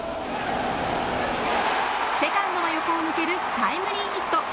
セカンドの横を抜けるタイムリーヒット。